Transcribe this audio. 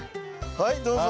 はいどうぞ。